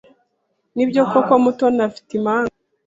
Nibyo koko Mutoni afite impanga?